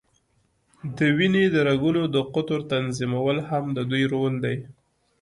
د وینې د رګونو د قطر تنظیمول هم د دوی رول دی.